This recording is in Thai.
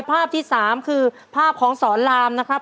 ภาพที่๓คือภาพของสอนรามนะครับ